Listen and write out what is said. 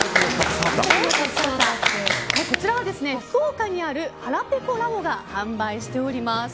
こちらは福岡にあるハラペコラボが販売しております。